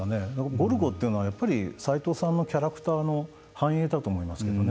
ゴルゴというのはさいとうさんのキャラクターの反映だと思いますけどね。